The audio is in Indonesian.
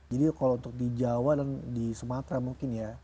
jadi kalau untuk di jawa dan di sumatera mungkin ya